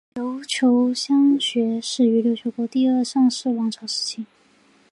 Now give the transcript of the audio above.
琉球的乡学始于琉球国第二尚氏王朝时期。